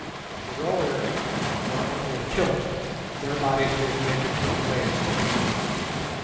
The rowers wore only a kilt, their bodies being naked to the waist.